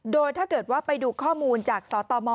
โดยถ้าเกิดว่าไปดูข้อมูลจากสตม